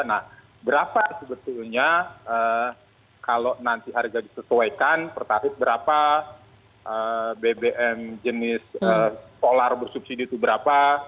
nah berapa sebetulnya kalau nanti harga disesuaikan pertarik berapa bbm jenis solar bersubsidi itu berapa